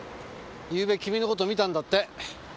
昨夜君の事見たんだって。